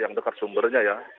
yang dekat sumbernya ya